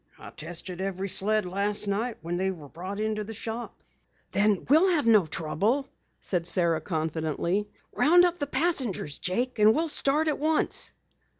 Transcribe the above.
"I tested every sled last night after they were brought to the shop." "Then we'll have no trouble," said Sara confidently. "Round up the passengers, Jake, and we'll start at once."